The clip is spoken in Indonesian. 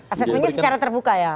asesmennya secara terbuka ya